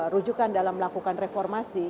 rujukan dalam melakukan reformasi